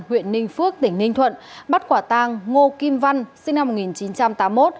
huyện ninh phước tỉnh ninh thuận bắt quả tang ngô kim văn sinh năm một nghìn chín trăm tám mươi một